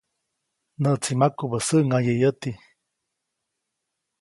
‒Näʼtsi makubä säʼŋaye yäti‒.